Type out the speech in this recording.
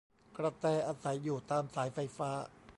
กระแต อาศัยอยู่ตามสายไฟฟ้า